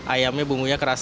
ayamnya bumbunya kerasa